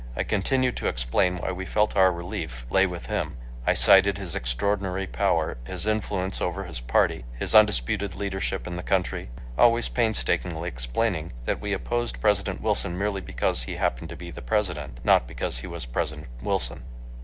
I continued to explain why we felt our relief lay with him; I cited his extraordinary power, his influence over his party, his undisputed leadership in the country, always painstakingly explaining that we opposed President Wilson merely because he happened to be President, not because he was President Wilson.